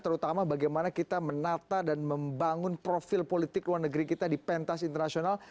terutama bagaimana kita menata dan membangun profil politik luar negeri kita di pentas internasional